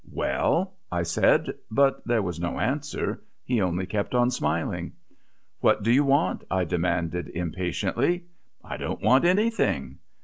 "Well?" I said, but there was no answer; he only kept on smiling. "What did you want?" I demanded impatiently. "I didn't want anything."